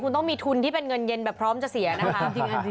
คุณต้องมีทุนที่เป็นเงินเย็นแบบพร้อมจะเสียนะคะ